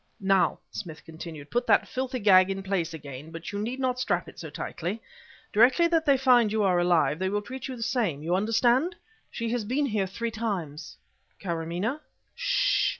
"Now," Smith continued, "put that filthy gag in place again but you need not strap it so tightly! Directly they find that you are alive, they will treat you the same you understand? She has been here three times " "Karamaneh?"... "Ssh!"